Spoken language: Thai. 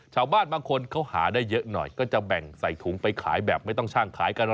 ชาวบ้านบางคนเขาหาได้เยอะหน่อยก็จะแบ่งใส่ถุงไปขายแบบไม่ต้องช่างขายกัน